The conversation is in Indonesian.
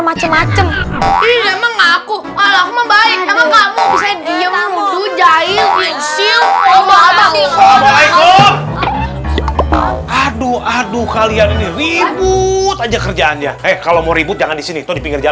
macem macem aku baik kamu bisa diam jahil